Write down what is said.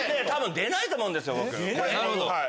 多分出ないと思うんですよ